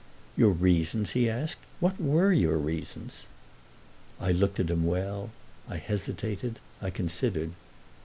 "Your reasons?" he asked. "What were your reasons?" I looked at him well; I hesitated; I considered.